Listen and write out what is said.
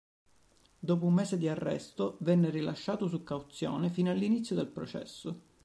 Dopo un mese di arresto venne rilasciato su cauzione fino all'inizio del processo.